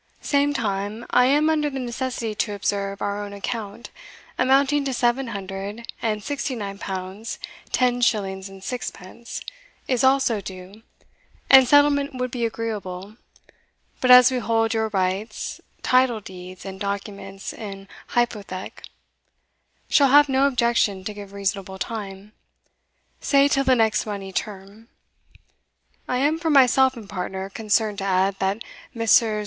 Same time, I am under the necessity to observe our own account, amounting to seven hundred and sixty nine pounds ten shillings and sixpence, is also due, and settlement would be agreeable; but as we hold your rights, title deeds, and documents in hypothec, shall have no objection to give reasonable time say till the next money term. I am, for myself and partner, concerned to add, that Messrs.